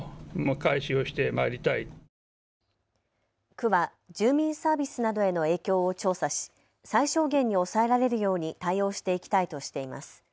区は住民サービスなどへの影響を調査し最小限に抑えられるように対応していきたいとしています。